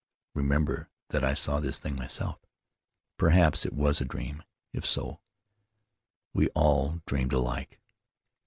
Remember that I saw this thing myself. ... Perhaps it was a dream — if so, we all dreamed alike."